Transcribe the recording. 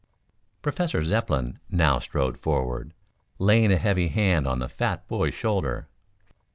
Professor Zepplin now strode forward, laying a heavy hand on the fat boy's shoulder.